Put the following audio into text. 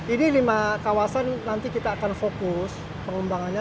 ini lima kawasan nanti kita akan fokus pengembangannya